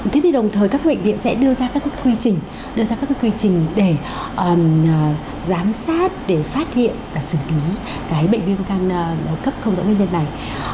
thế thì đồng thời các bệnh viện sẽ đưa ra các quy trình để giám sát để phát hiện và xử lý cái bệnh viêm căng cấp không dõi nguyên nhân này